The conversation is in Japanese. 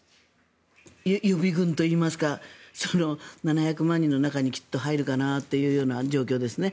予備軍といいますか７００万人の中にきっと入るかなという状況です。